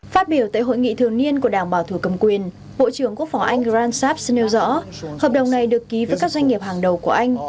phát biểu tại hội nghị thường niên của đảng bảo thủ cầm quyền bộ trưởng quốc phòng anh grand saps nêu rõ hợp đồng này được ký với các doanh nghiệp hàng đầu của anh